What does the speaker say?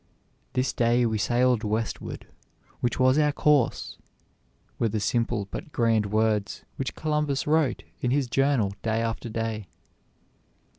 "This day we sailed westward, which was our course," were the simple but grand words which Columbus wrote in his journal day after day.